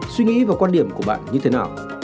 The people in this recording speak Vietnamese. suy nghĩ và quan điểm của bạn như thế nào